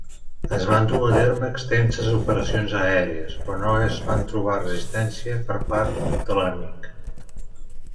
Es van dur a terme extenses operacions aèries, però no es va trobar resistència per part de l'enemic.